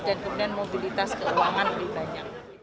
kemudian mobilitas keuangan lebih banyak